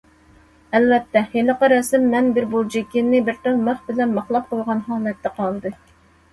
ئەلۋەتتە، ھېلىقى رەسىم مەن بىر بۇرجىكىنى بىر تال مىخ بىلەن مىخلاپ قويغان ھالەتتە قالدى.